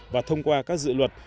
và thông qua các dự luật